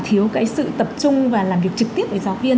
thiếu cái sự tập trung và làm việc trực tiếp với giáo viên